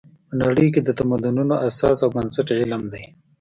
په نړۍ کې د تمدنونو اساس او بنسټ علم دی.